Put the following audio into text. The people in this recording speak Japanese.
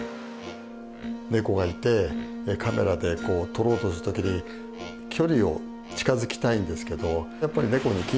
ネコがいてカメラでこう撮ろうとする時に距離を近づきたいんですけどやっぱりネコに緊張を与えてしまうんですね。